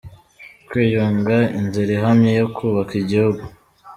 Kwiyunga, inzira ihamye yo kubaka igihugu